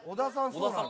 そうなの？